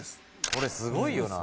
これすごいよな。